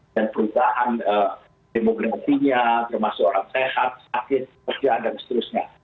dan perusahaan demografinya termasuk orang sehat sakit pekerjaan dan seterusnya